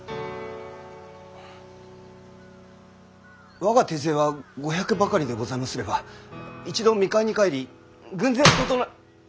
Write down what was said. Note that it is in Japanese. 我が手勢は５００ばかりでございますれば一度三河に帰り軍勢を整え。